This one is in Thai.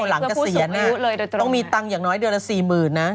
ป่ามกับเสียหน้าคงมีตังค์อย่างน้อยเดือนละ๔หมื่นนะ